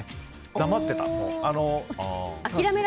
黙ってた。